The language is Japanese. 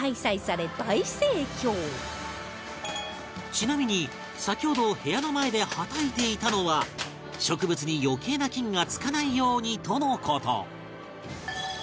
ちなみに先ほど部屋の前ではたいていたのは植物に余計な菌が付かないようにとの事